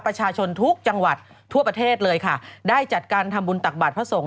ประชาชนทุกจังหวัดทั่วประเทศเลยค่ะได้จัดการทำบุญตักบาทพระสงฆ